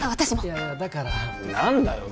いやいやだから何だよ